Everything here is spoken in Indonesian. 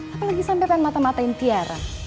apalagi sampe pengen mata matain tiara